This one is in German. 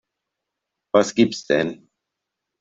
Was gibt's denn?